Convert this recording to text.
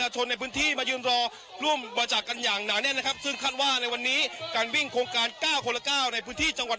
ชนในพื้นที่มายืนรอร่วมบริจาคกันอย่างหนาแน่นนะครับซึ่งคาดว่าในวันนี้การวิ่งโครงการ๙คนละ๙ในพื้นที่จังหวัด